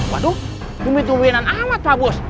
waduh tumit tumitinan amat pak bos